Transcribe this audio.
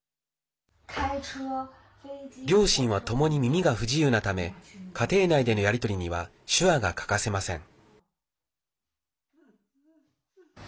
両親はともに耳が不自由なため家庭内でのやり取りには手話が欠かせません。